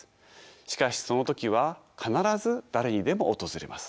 しかしその時は必ず誰にでも訪れます。